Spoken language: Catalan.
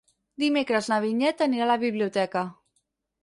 Dimecres na Vinyet anirà a la biblioteca.